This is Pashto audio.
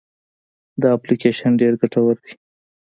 دا اپلیکیشن ډېر ګټور دی.